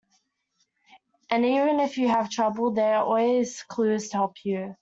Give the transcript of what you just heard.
And even if you have trouble, there are always clues to help you.